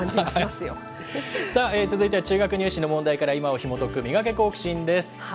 さあ、続いては、中学入試の問題から今をひもとくミガケ、好奇心！です。